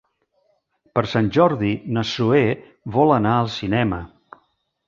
Per Sant Jordi na Zoè vol anar al cinema.